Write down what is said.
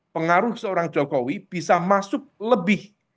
pengaruh seorang jokowi bisa masuk lebih